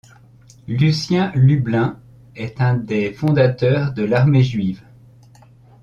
Lucien Lublin est un des fondateurs de l'Armée juive.